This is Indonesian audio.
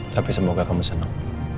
tapi semoga kamu seneng